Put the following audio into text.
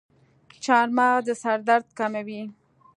چارمغز د سر درد کموي.